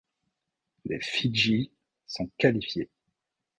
Les Fidji sont qualifiés.